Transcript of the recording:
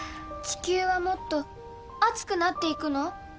地球はもっと熱くなっていくの？